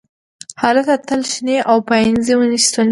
هلته تل شنې او پاڼریزې ونې شتون لري